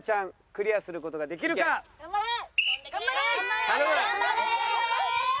クリアする事ができるか？頑張ってー！